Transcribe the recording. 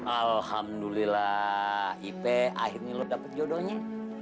alhamdulillah ipe akhirnya lo dapat jodohnya